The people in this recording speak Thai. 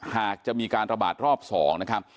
หากจะมีการระบาดรอบ๒นะครับ